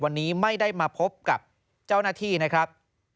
วันนี้ไม่ได้มาพบกับเจ้าหน้าที่นะครับ